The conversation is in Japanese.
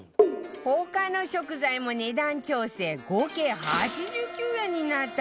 他の食材も値段調整合計８９円になったわよ